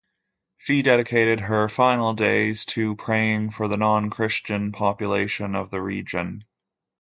She dedicated her final days to praying for the non-Christian population of the region.